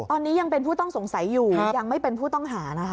ตอนนี้ยังเป็นผู้ต้องสงสัยอยู่ยังไม่เป็นผู้ต้องหานะคะ